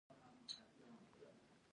د واورې له امله د کړکۍ شیشه خیره شوې وه